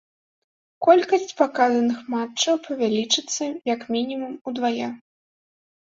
Колькасць паказаных матчаў павялічыцца як мінімум удвая.